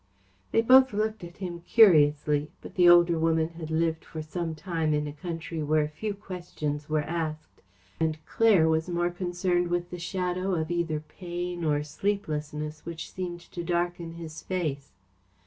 They both looked at him curiously, but the older woman had lived for some time in a country where few questions were asked, and Claire was more concerned with the shadow of either pain or sleeplessness which seemed to darken his face.